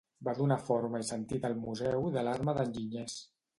Va donar forma i sentit al Museu de l’Arma d’Enginyers.